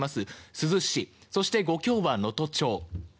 珠洲市そして５強が能登町。